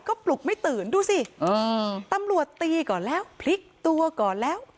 ก็ปลุกไม่ตื่นดูสิตำรวจตีก่อนแล้วพลิกตัวก่อนแล้ว